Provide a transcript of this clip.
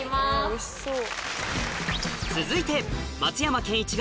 おいしそう。